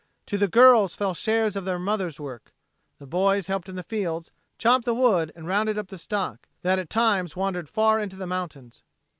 To the girls fell shares of the mother's work. The boys helped in the fields, chopped the wood and rounded up the stock, that at times wandered far into the mountains.